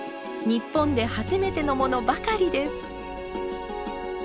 日本で初めてのものばかりです。